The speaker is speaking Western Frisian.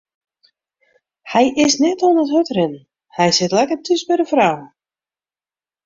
Hy is net oan it hurdrinnen, hy sit lekker thús by de frou.